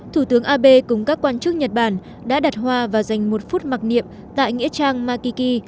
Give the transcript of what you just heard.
thủ tướng abe cùng các quan chức nhật bản đã đặt hoa và dành một phút mặc niệm tại nghĩa trang makiki